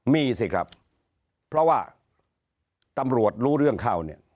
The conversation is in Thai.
มีสิครับเพราะว่าตำรวจรู้เรื่องเข้าเนี่ย